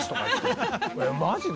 マジで？